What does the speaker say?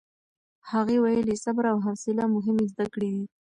هغې ویلي، صبر او حوصله مهمې زده کړې دي.